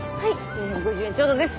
４５０円ちょうどです。